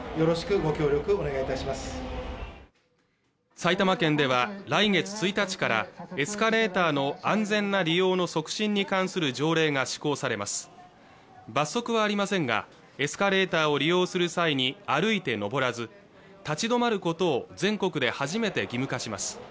埼玉県では来月１日からエスカレーターの安全な利用の促進に関する条例が施行されます罰則はありませんがエスカレーターを利用する際に歩いて登らず立ち止まることを全国で初めて義務化します